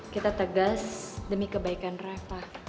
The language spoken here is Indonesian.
kita tegas demi kebaikan rafa